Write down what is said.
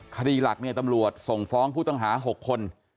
คดีหลักเนี่ยตำรวจส่งฟ้องผู้ต้องหา๖คน